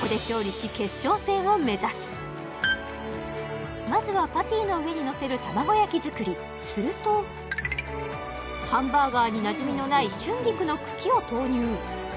ここでまずはパティの上にのせる卵焼き作りするとハンバーガーになじみのない春菊の茎を投入